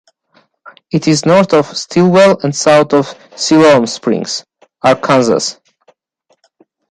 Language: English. It is north of Stilwell and south of Siloam Springs, Arkansas.